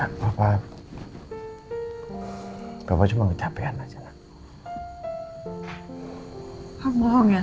maya sama catch maklumat itu aku slashnya tau ya fungsi kayaknya